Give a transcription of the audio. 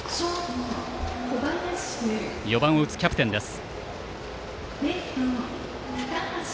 小林、４番を打つキャプテンです。